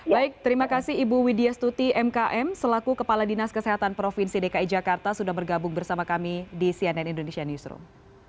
baik terima kasih ibu widya stuti mkm selaku kepala dinas kesehatan provinsi dki jakarta sudah bergabung bersama kami di cnn indonesia newsroom